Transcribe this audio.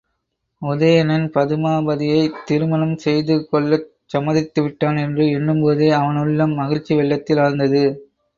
உதயணன் பதுமாபதியைத் திருமணம் செய்து கொள்ளச் சம்மதித்துவிட்டான் என்று எண்ணும் போதே அவனுள்ளம் மகிழ்ச்சி வெள்ளத்தில் ஆழ்ந்தது!